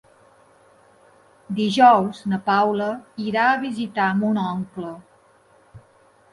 Dijous na Paula irà a visitar mon oncle.